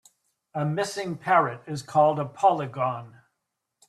A missing parrot is called a polygon.